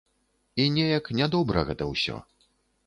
І неяк нядобра гэта ўсё.